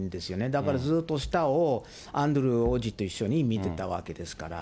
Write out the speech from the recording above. だからずっと下をアンドルー王子と一緒に見てたわけですから。